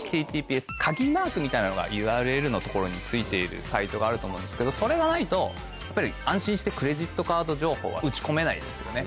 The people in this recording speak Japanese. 「ｈｔｔｐｓ」鍵マークみたいなのがＵＲＬのところについているサイトがあると思うんですけどそれがないとやっぱり安心してクレジットカード情報は打ち込めないですよね。